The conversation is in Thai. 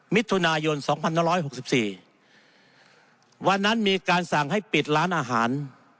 มิถุนายนสองพันร้อยหกสิบสี่วันนั้นมีการสั่งให้ปิดร้านอาหาร